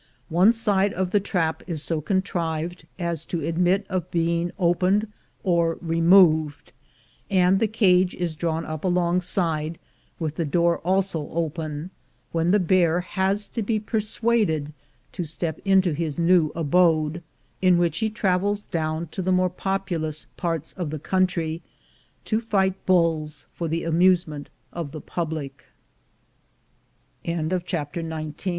One side of the trap is so contrived as to admit of being opened or removed, and the cage is drawn up alongside, with the door also open, when the bear has to be per suaded to step into his new abode, in which he travels down to the more populous parts of the country, to fight bulls fo